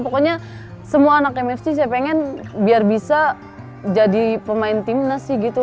pokoknya semua anak mfc saya pengen biar bisa jadi pemain timnas sih gitu